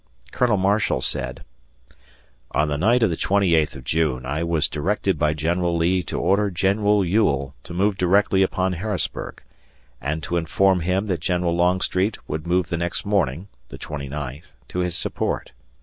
Colonel Marshall said: On the night of the 28th of June I was directed by General Lee to order General Ewell to move directly upon Harrisburg, and to inform him that General Longstreet would move the next morning (the 29th) to his support.